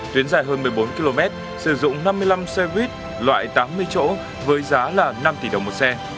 tuyến dài hơn một mươi bốn km sử dụng năm mươi năm xe buýt loại tám mươi chỗ với giá là năm tỷ đồng một xe